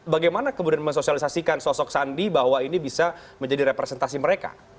bagaimana kemudian mensosialisasikan sosok sandi bahwa ini bisa menjadi representasi mereka